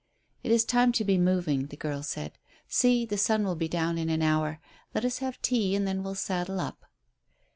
"It is time to be moving," the girl said. "See, the sun will be down in an hour. Let us have tea and then we'll saddle up."